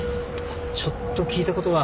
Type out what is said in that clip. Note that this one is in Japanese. ちょっと聞いたことが。